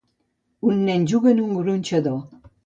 Un nen juga en un gronxador.